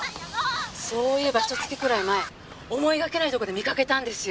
そういえばひと月くらい前思いがけないとこで見かけたんですよ。